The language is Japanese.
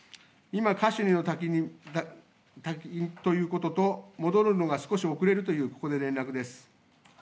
今、カシュニの滝ということと、戻るのが少し遅れるという、ここで連絡です。